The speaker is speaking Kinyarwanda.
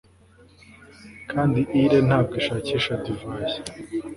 kandi ile ntabwo ishakisha divayi